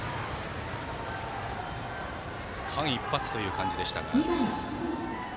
間一髪という感じでしたが。